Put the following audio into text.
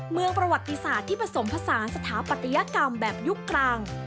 ประวัติศาสตร์ที่ผสมผสานสถาปัตยกรรมแบบยุคกลาง